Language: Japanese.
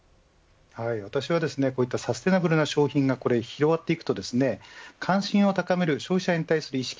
私はこういったサステイナブルな商品が広がっていくと関心を高める消費者に対する意識